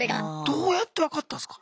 どうやって分かったんすか？